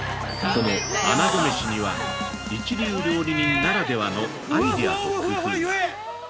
◆このあなご飯には、一流料理人ならではのアイデアと工夫が。